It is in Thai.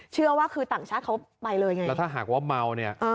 เชื่อว่าคือต่างชาติเขาไปเลยไงแล้วถ้าหากว่าเมาเนี่ย